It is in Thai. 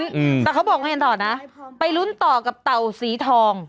อืมแต่เขาบอกให้เห็นต่อนะไปลุ้นต่อกับเต่าสีทอง